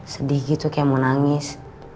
sedih gitu kayak mau nangis